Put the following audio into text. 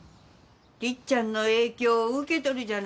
りっちゃんの影響受けとるじゃないか。